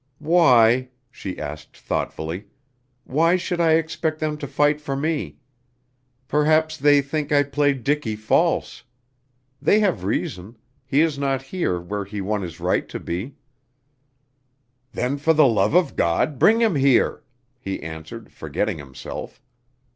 "Why," she asked thoughtfully, "why should I expect them to fight for me? Perhaps they think I played Dicky false. They have reason he is not here where he won his right to be." "Then for the love of God, bring him here," he answered, forgetting himself.